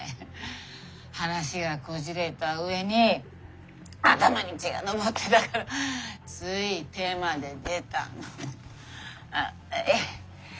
話がこじれた上に頭に血が上ってたからつい手まで出たの。